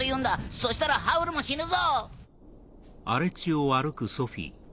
そしたらハウルも死ぬぞ！